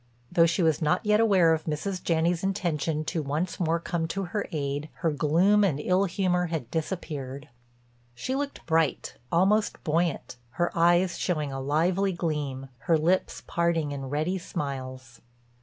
Though she was not yet aware of Mrs. Janney's intention to once more come to her aid, her gloom and ill humor had disappeared. She looked bright, almost buoyant, her eyes showing a lively gleam, her lips parting in ready smiles.